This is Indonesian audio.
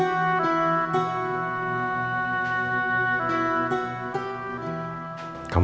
eh sih terlambat a